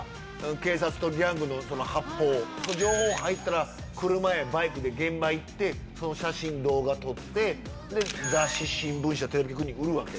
警察とギャングの発砲情報入ったら車やバイクで現場行ってその写真動画撮ってで雑誌新聞社テレビ局に売るわけ？